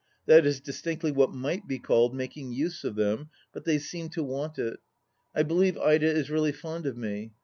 That is distinctly what might be called making use of them, but they seem to want it. (I believe Ida is really fond of me.